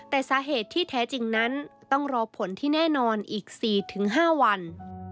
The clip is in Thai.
แต่สาเหตุที่แท้จริงนั้นต้องรอผลที่แน่นอนอีก๔๕วัน